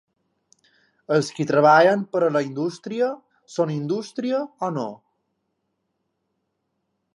Els qui treballen per a la indústria són indústria o no?